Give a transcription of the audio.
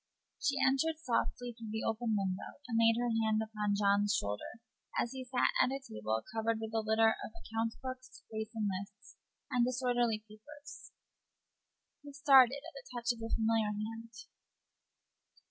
She entered softly at the open window, and laid her hand upon John's shoulder as he sat at a table covered with a litter of account books, racing lists, and disorderly papers. He started at the touch of the familiar hand.